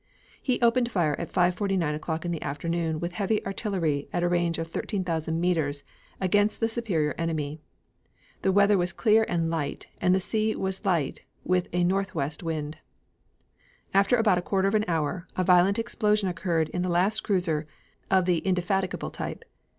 He opened fire at 5.49 o'clock in the afternoon with heavy artillery at a range of 13,000 meters against the superior enemy. The weather was clear and light, and the sea was light with a northwest wind. After about a quarter of an hour a violent explosion occurred on the last cruiser of the Indefatigable type.